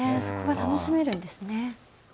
そこが楽しめるんですね。